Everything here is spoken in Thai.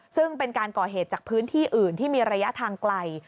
ซึ่งเป็นการก่อเหตุจากพื้นที่อื่นที่มีระยะทางไกล